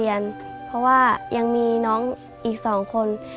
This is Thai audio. ยังมีน้องอีก๒คน